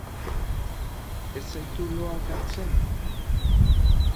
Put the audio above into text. Ez zaitu loak hartzen?